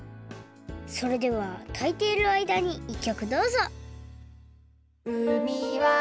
それではたいているあいだに１きょくどうぞ！